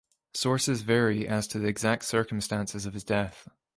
Sources vary as to the exact circumstances of his death.